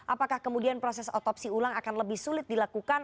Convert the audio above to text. apakah kemudian proses otopsi ulang akan lebih sulit dilakukan